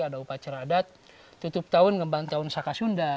ada upacara adat tutup tahun ngebantauan sakasunda